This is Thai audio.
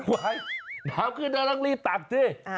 ไหวน้ำขึ้นแล้วเราก็รีบตักสิ